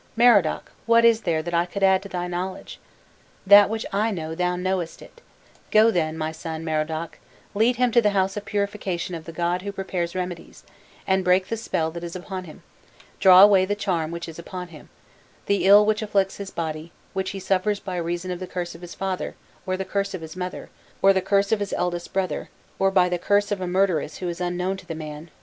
Merodach, what is there that I could add to thy knowledge? That which I know, thou knowest it: go then, my son, Merodach, lead him to the house of purification of the god who prepares remedies, and break the spell that is upon him, draw away the charm which is upon him, the ill which afflicts his body, which he suffers by reason of the curse of his father, or the curse of his mother, or the curse of his eldest brother, or by the curse of a murderess who is unknown to the man.